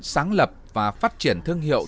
sáng lập và phát triển thương hiệu